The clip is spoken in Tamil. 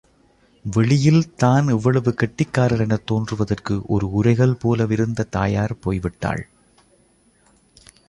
வெளியில் தான் எவ்வளவு கெட்டிக்காரரெனத் தோன்றுவதற்கு ஒரு உரைகல் போலவிருந்த தாயார் போய்விட்டாள்.